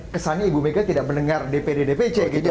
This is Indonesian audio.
kesannya ibu mega tidak mendengar dpd dpc